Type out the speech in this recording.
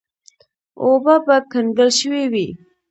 اوبه به کنګل شوې وې.